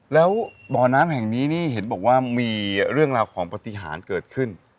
แล้วบ่อน้ำแห่งนี้นี่เห็นบอกว่ามีเรื่องราวของปฏิหารเกิดขึ้น